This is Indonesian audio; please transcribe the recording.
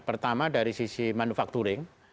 pertama dari sisi manufacturing